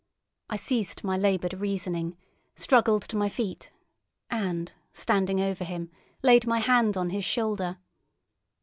I ceased my laboured reasoning, struggled to my feet, and, standing over him, laid my hand on his shoulder.